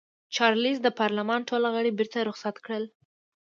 چارلېز د پارلمان ټول غړي بېرته رخصت کړل.